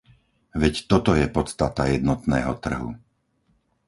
Veď toto je podstata jednotného trhu.